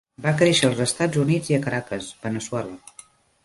Va créixer als Estats Units i a Caracas, Veneçuela.